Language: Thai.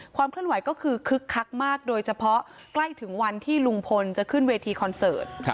เคลื่อนไหวก็คือคึกคักมากโดยเฉพาะใกล้ถึงวันที่ลุงพลจะขึ้นเวทีคอนเสิร์ต